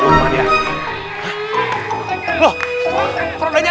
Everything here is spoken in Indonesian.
kenapa dikejar padanya